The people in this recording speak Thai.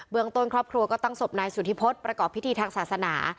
ต้นครอบครัวก็ตั้งศพนายสุธิพฤษประกอบพิธีทางศาสนา